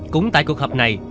cũng tại cuộc họp này